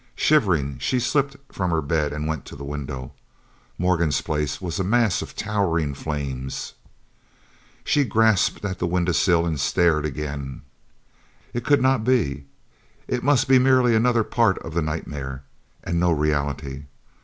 Shivering she slipped from her bed and went to the window. Morgan's place was a mass of towering flames! She grasped the window sill and stared again. It could not be. It must be merely another part of the nightmare, and no reality.